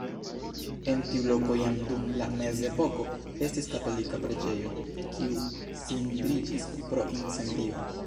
En tiu loko jam dum la mezepoko estis katolika preĝejo, kiu cindriĝis pro incendio.